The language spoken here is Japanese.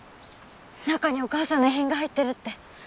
中にお母さんの遺品が入ってるって。